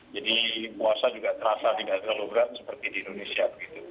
jadi puasa juga terasa tidak terlalu berat seperti di indonesia